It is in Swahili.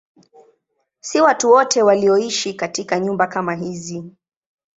Si watu wote walioishi katika nyumba kama hizi.